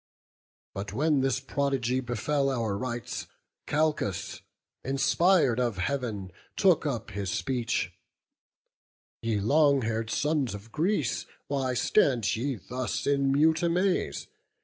But when this prodigy befell our rites, Calchas, inspir'd of Heaven, took up his speech: 'Ye long haired sons of Greece, why stand ye thus In mute amaze?